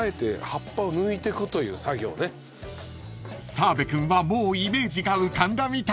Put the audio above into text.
［澤部君はもうイメージが浮かんだみたい］